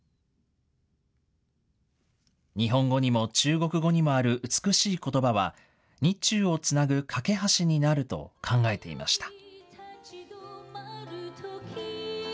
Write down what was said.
日本語にも中国語にもある美しいことばは、日中をつなぐ懸け橋になると考えていました。